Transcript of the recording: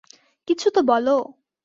কিছু তো বলো!